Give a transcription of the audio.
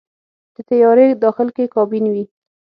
د طیارې داخل کې کابین وي.